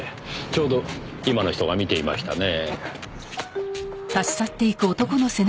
ちょうど今の人が見ていましたねぇ。